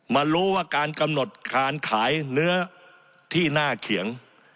มารู้ว่าการกำหนดการขายเนื้อที่หน้าเขียง